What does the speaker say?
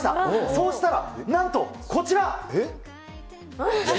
そうしたら、なんとこちら。